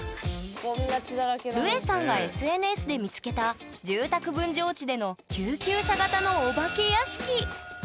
ルエさんがＳＮＳで見つけた住宅分譲地での救急車型のお化け屋敷。